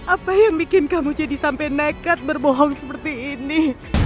apa yang bikin kamu jadi sampai nekat berbohong seperti ini